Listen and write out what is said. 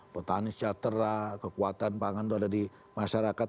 potanis caw terat kekuatan pangan itu ada di masyarakat